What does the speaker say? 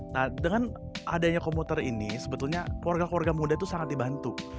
nah dengan adanya komuter ini sebetulnya keluarga keluarga muda itu sangat dibantu